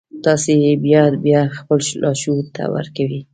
تاسې يې بيا بيا خپل لاشعور ته ورکوئ.